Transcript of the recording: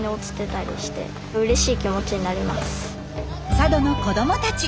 佐渡の子どもたち。